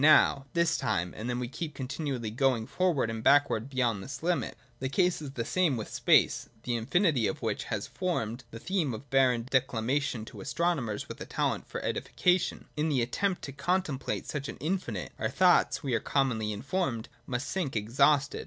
Now, This time, and then we keep continually going for wards and backwards beyond this limit. The case is the \ same with space, the infinity of which has formed the theme of barren declamation to astronomers with a talent | for edification. In the attempt to contemplate such an in finite, our thought, we are commonly informed, must sink exhausted.